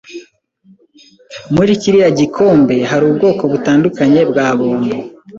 Muri kiriya gikombe hari ubwoko butandukanye bwa bombo.